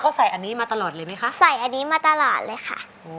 เขาใส่อันนี้มาตลอดเลยไหมคะใส่อันนี้มาตลาดเลยค่ะ